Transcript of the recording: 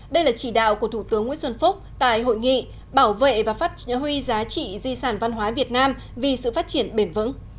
đây là chỉ đạo của thủ tướng nguyễn xuân phúc tại hội nghị bảo vệ và phát huy giá trị di sản văn hóa việt nam vì sự phát triển bền vững